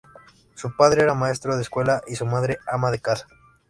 Su padre era maestro de escuela y su madre "ama de casa".